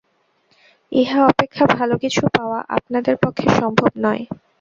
ইহা অপেক্ষা ভাল কিছু পাওয়া আপনাদের পক্ষে সম্ভব নয়।